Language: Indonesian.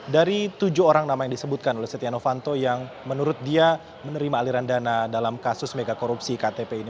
dari tujuh orang nama yang disebutkan oleh setia novanto yang menurut dia menerima aliran dana dalam kasus megakorupsi ktp ini